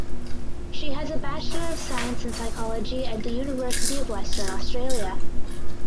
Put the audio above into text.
She has Bachelor of Science and Psychology at the University of Western Australia.